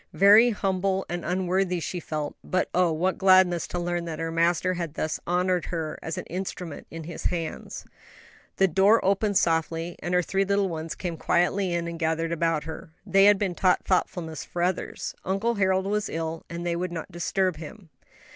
Very humble and unworthy she felt; but oh, what gladness to learn that her Master had thus honored her as an instrument in His hands. The door opened softly, and her three little ones came quietly in and gathered about her. They had been taught thoughtfulness for others: Uncle Harold was ill, and they would not disturb him.